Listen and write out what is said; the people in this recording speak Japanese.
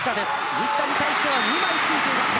西田に対しては２枚ついていました。